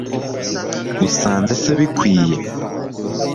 usanze se bikwiye